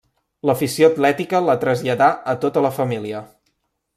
L'afició atlètica la traslladà a tota la família.